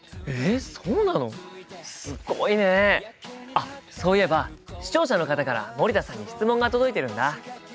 あっそういえば視聴者の方から森田さんに質問が届いてるんだ。